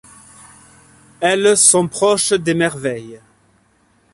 Elles sont proches des merveilles.